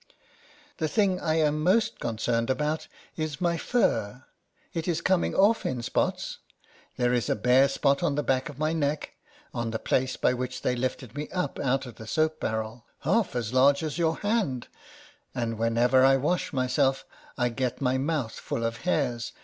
The thing I am most concerned about is my fur; it is coming off in spots: there is a bare spot on the back of my neck, on the place by which they lifted me up out of the soap barrel, half as large as your hand ; and whenever I wash my self, I get my mouth full of hairs, LETTERS FROM A CAT.